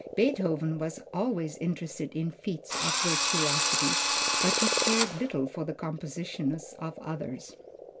Beethoven was always interested in feats of virtuosity, but he cared little for the compositions of others.